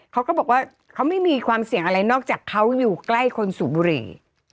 เขาก็บอกว่าเขาไม่มีความเสี่ยงอะไรนอกจากเขาอยู่ใกล้คนสูบบุหรี่